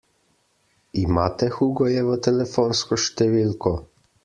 Imate Hugojevo telefonsko številko?